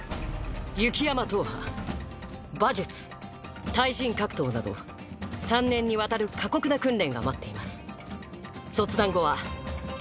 「雪山踏破」「馬術」「対人格闘」など３年にわたる過酷な訓練が待っています。